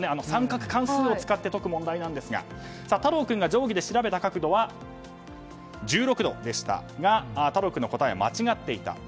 三角関数を使って解く問題なんですが太郎君が定規で調べた角度は１６度でしたが太郎君の答えは間違っていた。